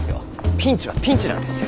ピンチはピンチなんですよ。